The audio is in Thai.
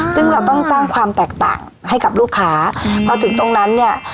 ซึ่งเราต้องสร้างความแตกต่างให้กับลูกค้าพอถึงตรงนั้นเนี่ย